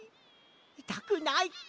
いたくない！